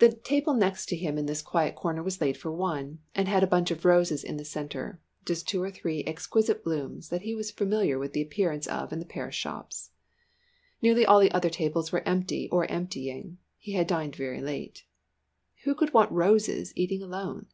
The table next to him in this quiet corner was laid for one, and had a bunch of roses in the centre, just two or three exquisite blooms that he was familiar with the appearance of in the Paris shops. Nearly all the other tables were empty or emptying; he had dined very late. Who could want roses eating alone?